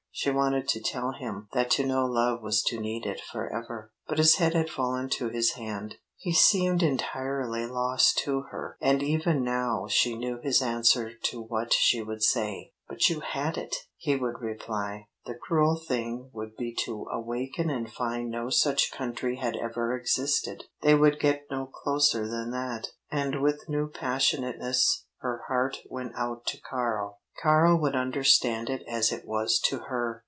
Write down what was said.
She wanted to tell him that to know love was to need it forever. But his head had fallen to his hand; he seemed entirely lost to her, and even now she knew his answer to what she would say. "But you had it," he would reply. "The cruel thing would be to awaken and find no such country had ever existed." They would get no closer than that, and with new passionateness her heart went out to Karl. Karl would understand it as it was to her!